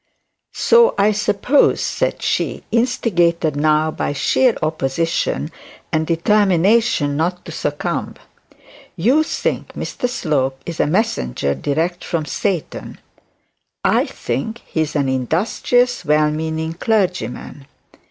'So I suppose,' said she, instigated now by sheer opposition and determination not to succumb. 'You think Mr Slope is a messenger direct from Satan. I think he is an industrious, well meaning clergyman.